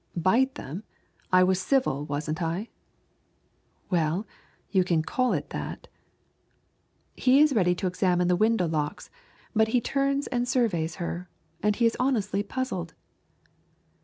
"Bite them! I was civil, wasn't I?" "Well, you can call it that." He is ready to examine the window locks, but he turns and surveys her, and he is honestly puzzled.